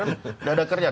nggak ada kerja